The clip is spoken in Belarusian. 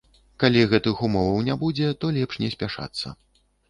Калі гэтых умоваў не будзе, то лепш не спяшацца.